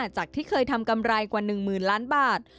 จากที่เคยทำกำไรกว่า๑๐๐๐ล้านบาท